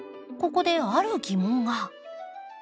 ここである疑問が。